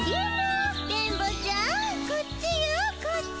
電ボちゃんこっちよこっち。